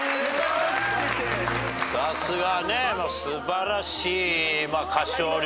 さすがね素晴らしい歌唱力。